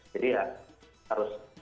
jadi ya harus